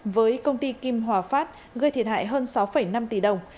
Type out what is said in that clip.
với công ty kim hòa phát gây thiệt hại hơn sáu năm tỷ đồng